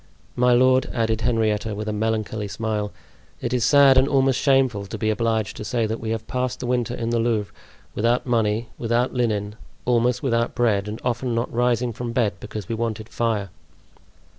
My lord," added Henrietta, with a melancholy smile, "it is sad and almost shameful to be obliged to say that we have passed the winter in the Louvre without money, without linen, almost without bread, and often not rising from bed because we wanted fire."